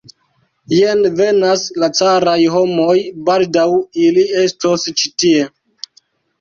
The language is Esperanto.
Jen venas la caraj homoj, baldaŭ ili estos ĉi tie.